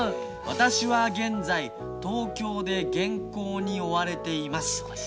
「私は現在東京で原稿に追われています。